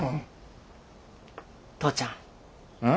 父ちゃん。